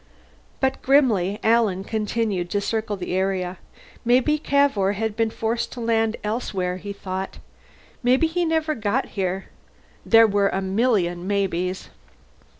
But grimly Alan continued to circle the area. Maybe Cavour had been forced to land elsewhere, he thought. Maybe he never got here. There were a million maybes.